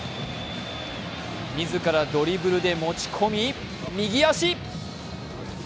自らドリブルで持ち込み、右足。